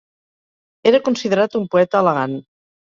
Era considerat un poeta elegant.